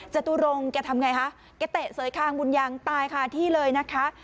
จตุรงค์เขาทำอย่างไรคะเขาเตะเสยข้างบุญยังตายที่เลยนะคะ